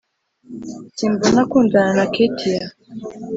simbona akundana na ketiya?"